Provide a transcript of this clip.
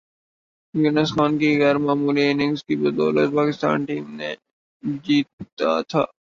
یونس خان کی غیر معمولی اننگز کی بدولت پاکستانی ٹیم نے جیتا تھا